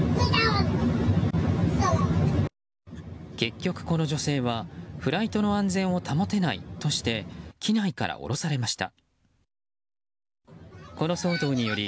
結局、この女性はフライトの安全を保てないとして機内から降ろされました。